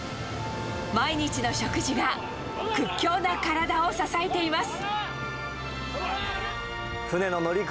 毎日の食事が屈強な体を支えています。